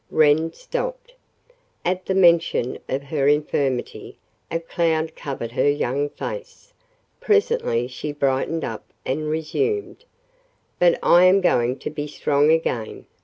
Wren stopped. At the mention of her infirmity a cloud covered her young face. Presently she brightened up and resumed: "But I am going to be strong again.